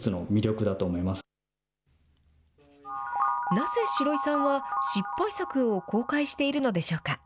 なぜシロイさんは失敗作を公開しているのでしょうか。